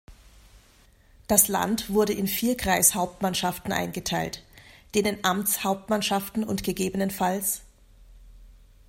Das Land wurde in vier Kreishauptmannschaften eingeteilt, denen Amtshauptmannschaften und ggf.